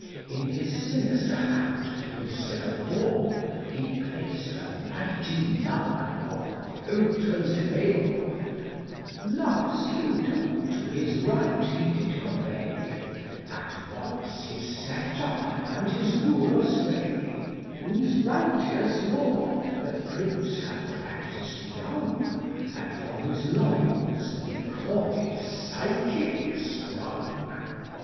In his sinister hand, instead of ball, 120 He placed a mighty mug of potent ale ; Love's Kingdom * to his right he did convey, At once his sceptre and his rule of sway ; AVhose righteous lore the prince had practised young, And from whose loins recorded Psyche sprung.